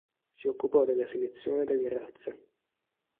Si occupò della selezione delle razze.